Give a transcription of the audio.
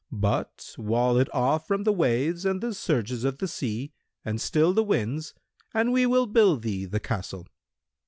But wall it off from the waves and the surges of the sea and still the winds, and we will build thee the castle.